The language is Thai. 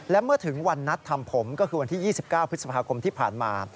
และเมื่อถึงวันนัดทำผมก็คือวันที่๒๙พฤษภาคมที่ผ่านมา